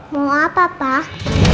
mau apa pak